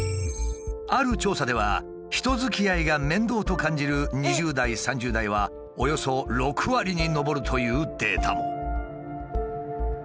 ある調査では人づきあいが面倒と感じる２０代３０代はおよそ６割に上るというデータも。